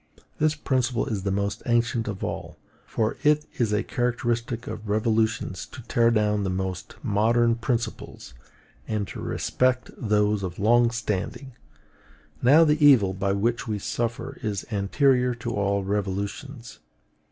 This principle is the most ancient of all; for it is a characteristic of revolutions to tear down the most modern principles, and to respect those of long standing. Now the evil by which we suffer is anterior to all revolutions.